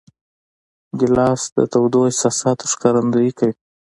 ګیلاس د تودو احساساتو ښکارندویي کوي.